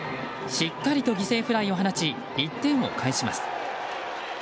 しっかりと犠牲フライを放ち１点を返します。